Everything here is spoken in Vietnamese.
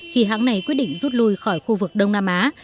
khi hãng này quyết định rút lui khỏi khu vực đông nam á